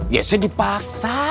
ya saya dipaksa